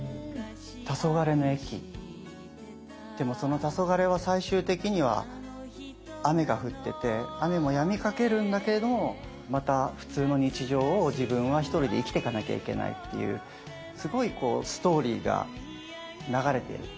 黄昏の駅でもその黄昏は最終的には雨が降ってて雨もやみかけるんだけれどもまた普通の日常を自分は１人で生きてかなきゃいけないっていうすごいこうストーリーが流れてる。